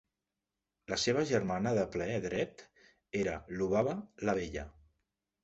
La seva germana de ple dret era Lubaba "La vella".